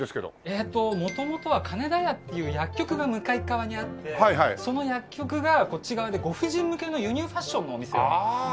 えーっと元々は金田屋っていう薬局が向かい側にあってその薬局がこっち側でご婦人向けの輸入ファッションのお店を建てた。